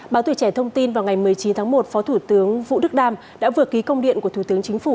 báo tùy trẻ thông tin vào ngày một mươi chín tháng một phó thủ tướng vũ đức đam đã vừa ký công điện của thủ tướng chính phủ